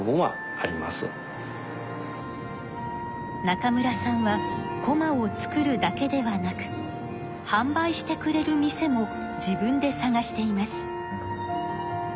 中村さんはこまを作るだけではなく販売してくれる店も自分でさがしています。